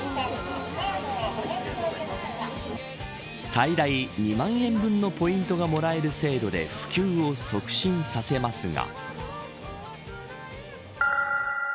最大２万円分のポイントがもらえる制度で普及を促進させますが。